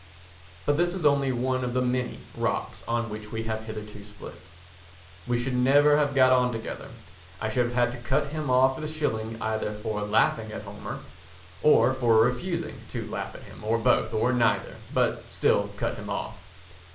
But this is only one of the many rocks on which we have hitherto split. We should never have got on together; I should have had to cut him off with a shilling either for laughing at Homer, or for refusing to laugh at him, or both, or neither, but still cut him off.